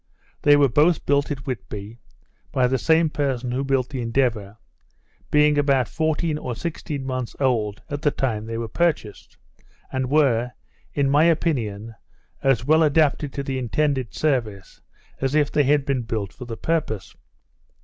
They were both built at Whitby, by the same person who built the Endeavour, being about fourteen or sixteen months old at the time they were purchased, and were, in my opinion, as well adapted to the intended service, as if they had been built for the purpose.